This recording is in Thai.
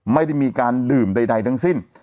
ไม่ได้มีการดื่มใดทั้งสิ้น